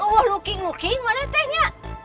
wah luking luking mana tehnya